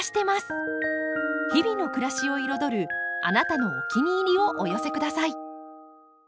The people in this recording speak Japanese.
日々の暮らしを彩るあなたのお気に入りをお寄せください。